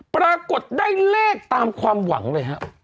ปรากฏได้เลขตามความหวังเลยฮะ